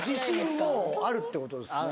もうあるってことですね